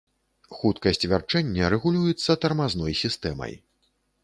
Хуткасць вярчэння рэгулюецца тармазной сістэмай.